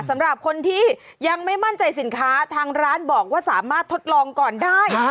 สำหรับคนที่ยังไม่มั่นใจสินค้าทางร้านบอกว่าสามารถทดลองก่อนได้